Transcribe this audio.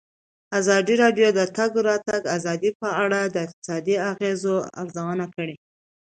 ازادي راډیو د د تګ راتګ ازادي په اړه د اقتصادي اغېزو ارزونه کړې.